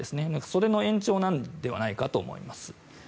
その延長なのではないかと思います。